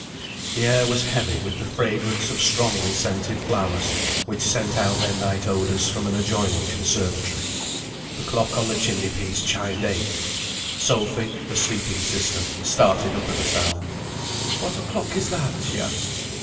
The air was heavy with the fragrance of strongly scented flowers, which sent out their night odours from an adjoining conservatory. The clock on the chimney piece chimed eight. Sophy (the sleeping sister) started up at the sound. "What o'clock is that?" she asked.